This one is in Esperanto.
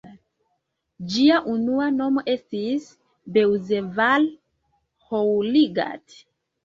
Ĝia unua nomo estis "Beuzeval-Houlgate".